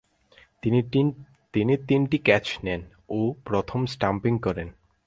তিনি তিনটি ক্যাচ নেন ও প্রথম স্ট্যাম্পিং করেন।